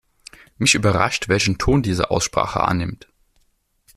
Mich überrascht, welchen Ton diese Aussprache annimmt.